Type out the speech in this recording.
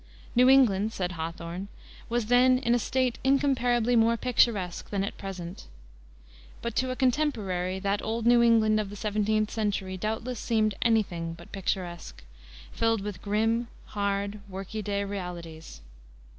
"New England," said Hawthorne, "was then in a state incomparably more picturesque than at present." But to a contemporary that old New England of the seventeenth century doubtless seemed any thing but picturesque, filled with grim, hard, worky day realities.